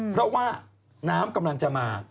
เพราะว่าน้ำกำลังจะมา